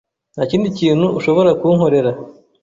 Ntakindi kintu ushobora kunkorera.